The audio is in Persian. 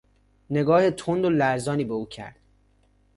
نگاه تند و لرزانی به او کرد.